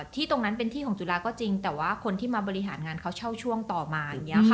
ที่ตรงนั้นเป็นที่ของจุฬาก็จริงแต่คนที่มาบริหารงานเขาเช่าช่วงต่อมา